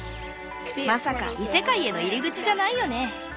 まさか異世界への入り口じゃないよね？